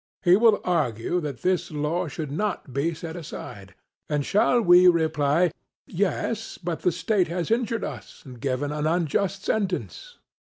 He will argue that this law should not be set aside; and shall we reply, 'Yes; but the state has injured us and given an unjust sentence.'